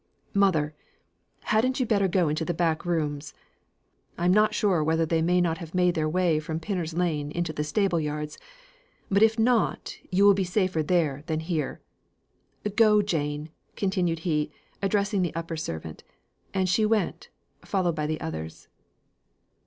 Mother! hadn't you better go into the back rooms? I'm not sure whether they may not have made their way from Pinner's Lane into the stable yard; but if not, you will be safer there than here. Go, Jane!" continued he, addressing the upper servant. And she went, followed by the others.